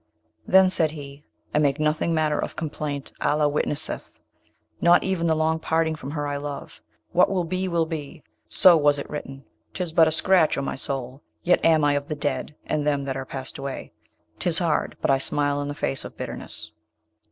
Then said he, 'I make nothing matter of complaint, Allah witnesseth! not even the long parting from her I love. What will be, will be: so was it written! 'Tis but a scratch, O my soul! yet am I of the dead and them that are passed away. 'Tis hard; but I smile in the face of bitterness.'